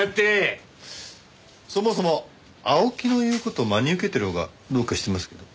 そもそも青木の言う事を真に受けてるほうがどうかしてますけど。